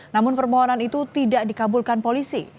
namun permohonan itu tidak dikabulkan polisi